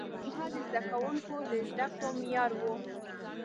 لوحه د زده کوونکو د زده کړې معیار و.